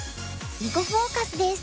「囲碁フォーカス」です。